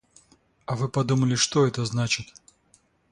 А вы подумали, что это значит?